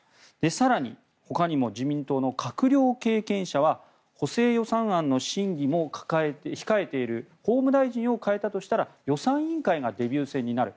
更に、ほかにも自民党の閣僚経験者は補正予算案の審議も控えている法務大臣を代えたとしたら予算委員会がデビュー戦になる。